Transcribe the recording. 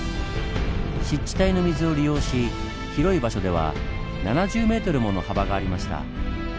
湿地帯の水を利用し広い場所では７０ｍもの幅がありました。